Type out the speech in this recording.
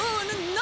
何？